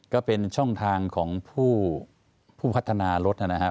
ก็เป็นช่องทางของผู้พัฒนารถนะครับ